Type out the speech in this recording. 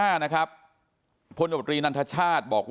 อันนี้แม่งอียางเนี่ย